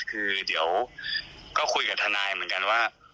คือเดี๋ยวก็คุยกับทนายเหมือนกันว่า